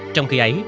trong khi ấy